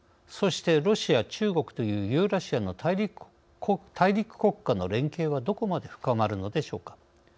そしてロシア中国というユーラシアの大陸国家の連携はどこまで深まるのでしょうか。